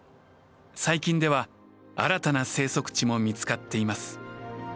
最近では新たな生息地も見つかっています。